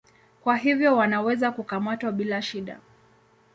Kwa hivyo wanaweza kukamatwa bila shida.